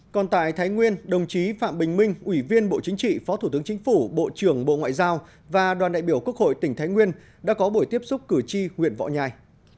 còn tại thái nguyên đồng chí phạm bình minh ủy viên bộ chính trị phó thủ tướng chính phủ bộ trưởng bộ ngoại giao và đoàn đại biểu quốc hội tỉnh thái nguyên đã có buổi tiếp xúc cử tri huyện võ nhai